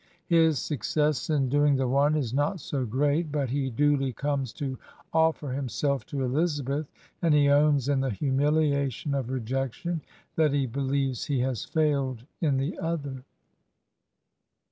His success in doing the one is not so great but he duly comes to offer himself to Elizabeth, and he owns in the humihation of rejection that he beUeves he has failed in the other.